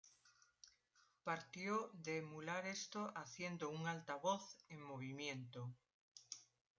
Partió de emular esto haciendo un altavoz en movimiento.